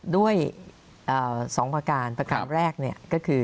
ด้วย๒ประการประการแรกก็คือ